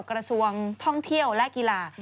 กระทรวงท่องเที่ยวและกีฬา